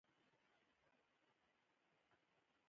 د پښتو د بې پروايۍ پای دې وشي.